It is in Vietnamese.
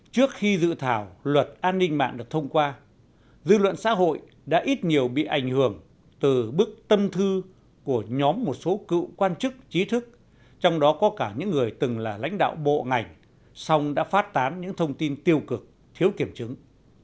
trước khi dự thảo luật an ninh mạng được thông qua dư luận xã hội đã ít nhiều bị ảnh hưởng từ bức tâm thư của nhóm một số cựu quan chức trí thức trong đó có cả những người từng là lãnh đạo bộ ngành xong đã phát tán những thông tin tiêu cực thiếu kiểm chứng